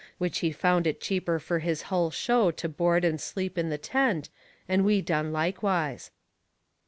Which he found it cheaper fur his hull show to board and sleep in the tent, and we done likewise.